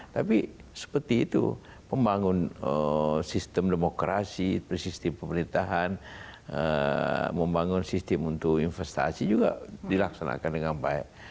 tapi seperti itu pembangun sistem demokrasi sistem pemerintahan membangun sistem untuk investasi juga dilaksanakan dengan baik